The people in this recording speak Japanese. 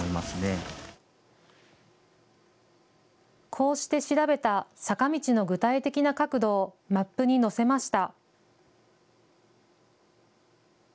こうして調べた坂道の具体的な角度をマップに載せました。